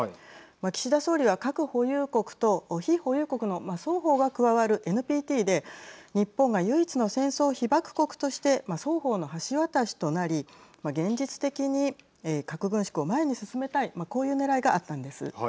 岸田総理は核保有国と非保有国の双方が加わるＮＰＴで日本が唯一の戦争被爆国として双方の橋渡しとなり現実的に核軍縮を前に進めたいこういうねらいがあったんです。